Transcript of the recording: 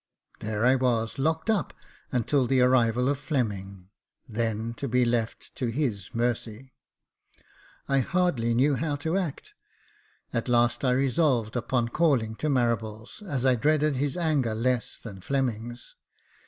There I was, locked up, until the arrival of Fleming — then to be left to his mercy. I hardly knew how to act : at last I resolved upon calling to Marables, as I dreaded his anger less than Fleming's.